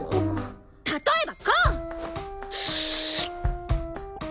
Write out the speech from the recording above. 例えばこう！